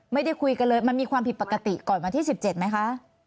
ไม่ได้คุยกันเลยมันมีความผิดปกติก่อนวันที่๑๗ไหมคะ